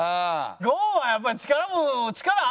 ゴンはやっぱり力も力あるから。